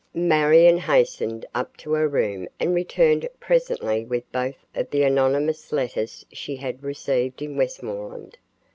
Marion hastened up to her room and returned presently with both of the anonymous letters she had received in Westmoreland.